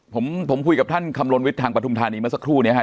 ผมผมคุยกับท่านคำลนวิทย์ทางประทุมธานีมาสักครู่เนี้ยฮะ